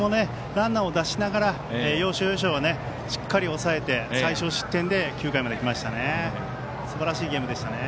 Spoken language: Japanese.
ランナーを出しながら要所要所をしっかり抑えて最少失点で９回まできましたね。